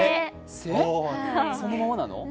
そのままなの？